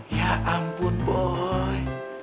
ya ampun boy